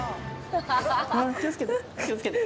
あ気をつけて気をつけて。